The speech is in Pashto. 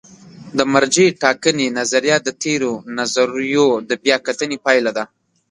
د مرجع ټاکنې نظریه د تېرو نظریو د بیا کتنې پایله ده.